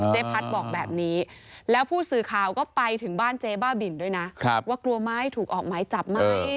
พัฒน์บอกแบบนี้แล้วผู้สื่อข่าวก็ไปถึงบ้านเจ๊บ้าบินด้วยนะว่ากลัวไหมถูกออกหมายจับไหม